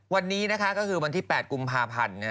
วันนี้นะคะก็คือวันที่๘กุมภาพันธ์